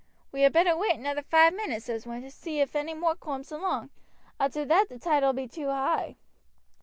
'We had better wait another five minutes,' says one, 'to see if any more cooms along. Arter that the tide ull be too high.'